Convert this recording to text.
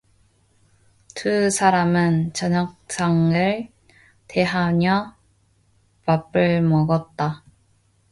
두 사람은 저녁상을 대하여 밥을 먹었다.